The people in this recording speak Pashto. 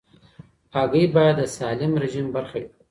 هګۍ باید د سالم رژیم برخه وي.